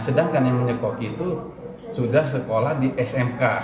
sedangkan yang menyekoki itu sudah sekolah di smk